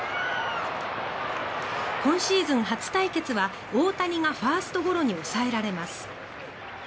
今シーズン初対決は大谷がファーストゴロに抑えられます。